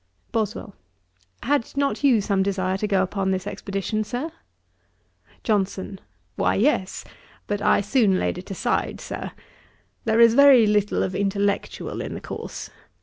BOSWELL. 'Had not you some desire to go upon this expedition, Sir?' JOHNSON. 'Why yes, but I soon laid it aside. Sir, there is very little of intellectual, in the course.